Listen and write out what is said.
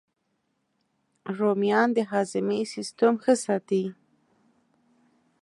رومیان د هاضمې سیسټم ښه ساتي